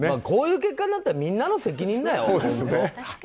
こういう結果になったらみんなの責任だよ、本当。